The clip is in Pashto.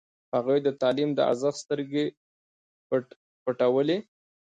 هغوی د تعلیم د ارزښت سترګې پټولې.